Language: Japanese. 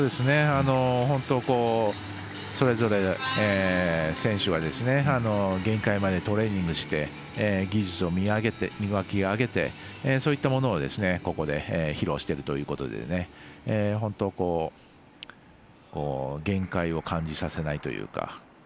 本当、それぞれ選手が限界までトレーニングして技術を磨き上げてそういったものをここで披露しているということで本当、限界を感じさせないというか